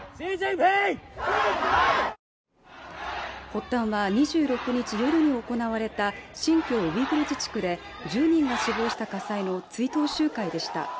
発端は２６日夜に行われた新疆ウイグル自治区で１０人が死亡した火災の追悼集会でした。